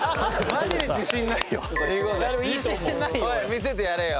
見せてやれよ。